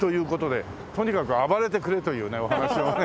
とにかく暴れてくれというお話をね